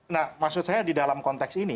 nah maksud saya di dalam konteks ini